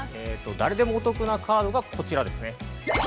◆誰でもお得なカードがこちらですね。